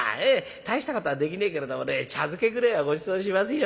大したことはできねえけれどもね茶漬けぐれえはごちそうしますよ。